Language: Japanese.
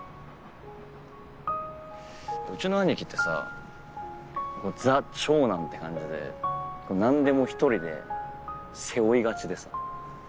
うちの兄貴ってさザ・長男って感じで何でも１人で背負いがちでさ。